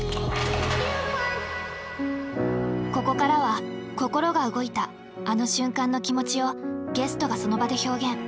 ここからは心が動いたあの瞬間の気持ちをゲストがその場で表現。